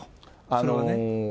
それはね。